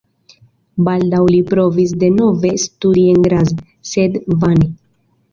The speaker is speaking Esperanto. Baldaŭ li provis denove studi en Graz, sed vane.